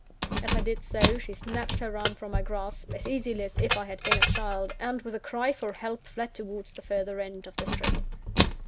As I did so, she snatched her arm from my grasp, as easily as if I had been a child; and, with a cry for help, fled towards the further end of the street.